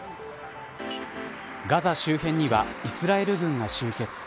ガザ周辺にはイスラエル軍が集結。